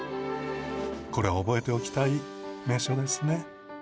これは覚えておきたい名所ですね。